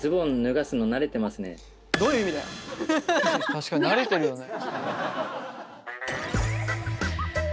確かに慣れてるよね。